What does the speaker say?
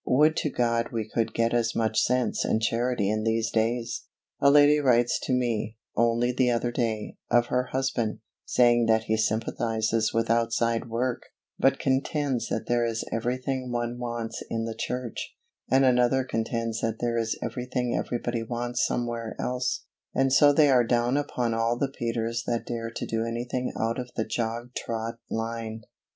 Would to God we could get as much sense and charity in these days! A lady writes to me, only the other day, of her husband, saying that he sympathises with outside work, but contends that there is everything one wants in the church; and another contends that there is everything everybody wants somewhere else, and so they are down upon all the Peters that dare to do anything out of the jog trot line.